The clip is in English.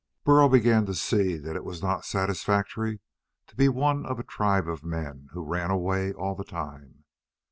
Burl began to see that it was not satisfactory to be one of a tribe of men who ran away all the time.